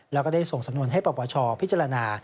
แล้วก็ได้ส่งสำนวนให้ปปชพิจารณา